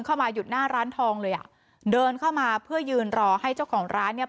เข้ามาหยุดหน้าร้านทองเลยอ่ะเดินเข้ามาเพื่อยืนรอให้เจ้าของร้านเนี่ย